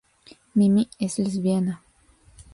Mimi es lesbiana.